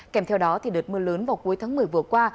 kèm theo đó đợt mưa lớn vào cuối tháng một mươi vừa qua